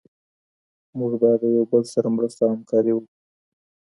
موږ باید د یو بل سره مرسته او همکاري وکړو.